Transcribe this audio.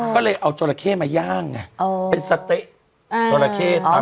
ก็เลยเอาจอละเข้มาย่างเป็นสะเต๊ะจอละเข้ตามทาง